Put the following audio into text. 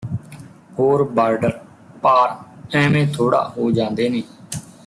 ਹੋਰ ਬਾਰਡਰ ਪਾਰ ਐਵੇਂ ਥੋੜ੍ਹਾ ਹੋ ਜਾਂਦੇ ਨੇ